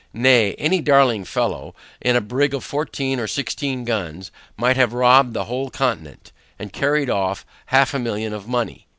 Nay, any daring fellow, in a brig of fourteen or sixteen guns, might have robbed the whole Continent, and carried off half a million of money.